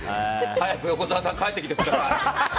早く横澤さん帰ってきてください。